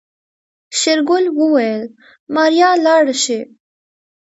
شېرګل وويل ماريا لاړه شي.